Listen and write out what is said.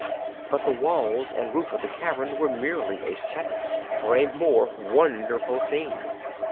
But the walls and roof of the cavern were merely a setting for a more wonderful scene.